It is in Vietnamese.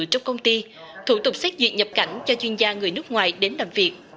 trong công ty thủ tục xét duyệt nhập cảnh cho chuyên gia người nước ngoài đến làm việc